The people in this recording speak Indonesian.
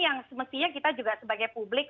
yang semestinya kita juga sebagai publik